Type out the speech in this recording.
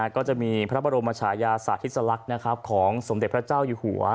ก็จะมีพระบรมชายาสาธิสลักษณ์ของสมเด็จพระเจ้าอยู่หัว